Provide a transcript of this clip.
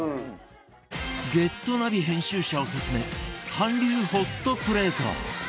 『ゲットナビ』編集者オススメ韓流ホットプレート